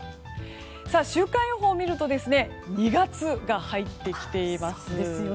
週間予報を見ると２月が入ってきています。